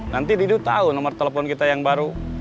nanti didu tahu nomor telepon kita yang baru